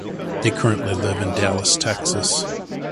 They currently live in Dallas, Texas.